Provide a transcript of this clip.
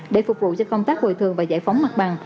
để phục vụ cho công tác bồi thường và giải phóng mặt bằng